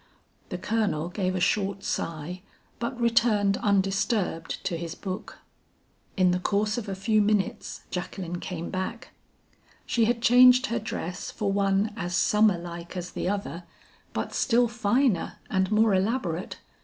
The Colonel gave a short sigh but returned undisturbed to his book. "In the course of a few minutes Jacqueline came back. She had changed her dress for one as summerlike as the other, but still finer and more elaborate.